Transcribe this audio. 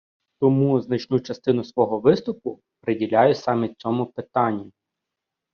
Тому значну частину свого виступу приділю саме цьому питанню.